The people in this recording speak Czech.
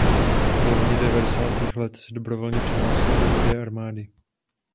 V polovině dvacátých let se dobrovolně přihlásil do Rudé armády.